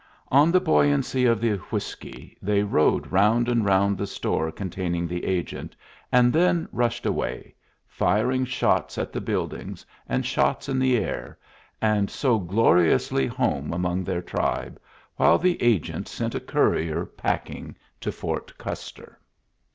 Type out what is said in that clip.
On the buoyancy of the whiskey they rode round and round the store containing the agent, and then rushed away, firing shots at the buildings and shots in the air, and so gloriously home among their tribe, while the agent sent a courier packing to Fort Custer.